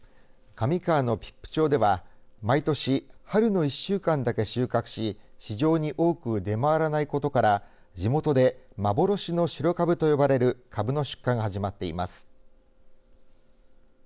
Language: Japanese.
上川の比布町では毎年、春の１週間だけ収穫し市場に多く出回らないことから地元で幻の白かぶと呼ばれるかぶの出荷が始まっています。